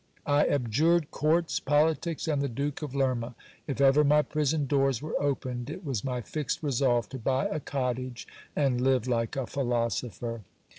I abjured courts, politics, and the Duke of Lerma. If ever my prison doors were opened, it was my fixed resolve to buy a cottage, and live like a philosopher.